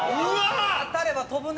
「当たれば飛ぶね！」